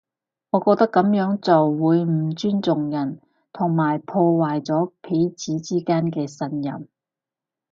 我覺得噉樣做會唔尊重人，同埋破壞咗彼此之間嘅信任